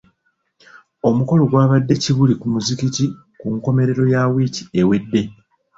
Omukolo gwabadde Kibuli ku muzigiti ku nkomerero ya wiiki ewedde.